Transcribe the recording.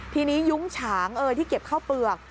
ทีนี้ยุ้งฉางที่เก็บข้าวเปลือก